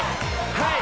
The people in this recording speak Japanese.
はい！